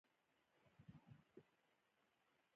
ښوونځي باید پښتو ته لومړیتوب ورکړي.